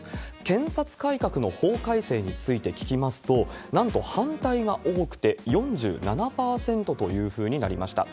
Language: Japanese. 検察改革の法改正について聞きますと、なんと反対が多くて、４７％というふうになりました。